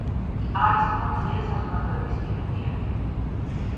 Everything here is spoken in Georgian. არის ფონდ ღია საზოგადოების სტიპენდიანტი.